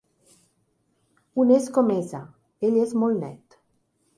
Un és com Eesa: ell és molt net.